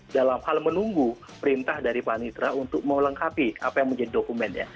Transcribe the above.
dalam hal menunggu perintah dari panitra untuk melengkapi apa yang menjadi dokumennya